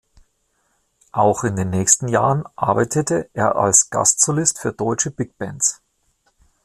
Auch in den nächsten Jahren arbeitete er als Gastsolist für deutsche Big Bands.